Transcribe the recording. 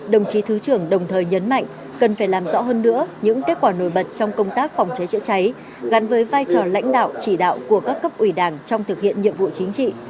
đồng chí thứ trưởng đồng thời nhấn mạnh cần phải làm rõ hơn nữa những kết quả nổi bật trong công tác phòng cháy chữa cháy gắn với vai trò lãnh đạo chỉ đạo của các cấp ủy đảng trong thực hiện nhiệm vụ chính trị